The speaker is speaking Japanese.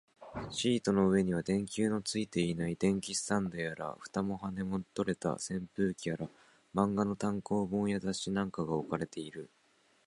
シートの上には、電球のついていない電気スタンドやら、蓋も羽も取れた扇風機やら、漫画の単行本や雑誌なんかが置かれている